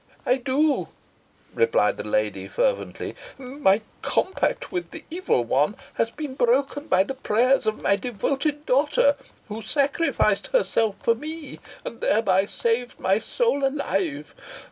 "I do," replied the lady, fervently. "My compact with the Evil One has been broken by the prayers of my devoted daughter, who sacrificed herself for me, and thereby saved my soul alive.